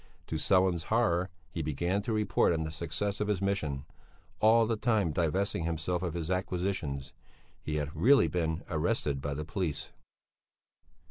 To Sellén's horror he began to report on the success of his mission, all the time divesting himself of his acquisitions. He had really been arrested by the police.